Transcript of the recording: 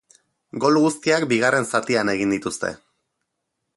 Gol guztiak bigarren zatian egin dituzte.